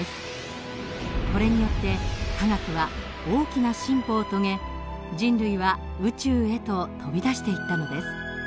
これによって科学は大きな進歩を遂げ人類は宇宙へと飛び出していったのです。